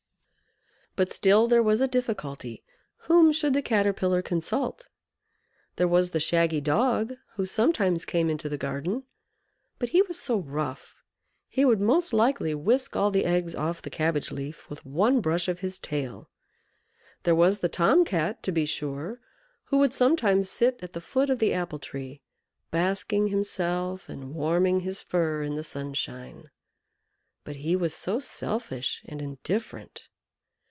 But still there was a difficulty whom should the Caterpillar consult? There was the shaggy Dog who sometimes came into the garden. But he was so rough! he would most likely whisk all the eggs off the cabbage leaf with one brush of his tail. There was the Tom Cat, to be sure, who would sometimes sit at the foot of the apple tree, basking himself and warming his fur in the sunshine; but he was so selfish and indifferent!